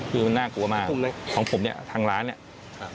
คือมันน่ากลัวมากของผมเนี่ยทางร้านเนี้ยครับ